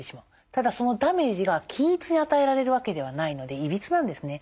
ただそのダメージが均一に与えられるわけではないのでいびつなんですね。